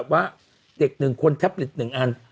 ว่าเด็กหนึ่งควรแท็บเล็ตหนึ่งอัน